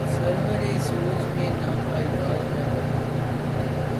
سرور و سوز میں ناپائیدار ہے ورنہ